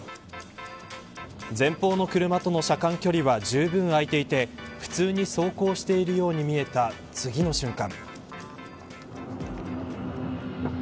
前方の車との車間距離はじゅうぶん開いていて普通に走行しているように見えた次の瞬間。